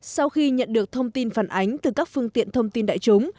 sau khi nhận được thông tin phản ánh từ các phương tiện thông tin đại chúng